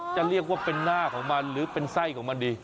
จะเรียกว่าเป็นหน้าของมันหรือเป็นไส้ของมันดี